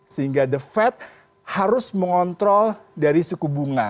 sehingga the fed harus mengontrol dari suku bunga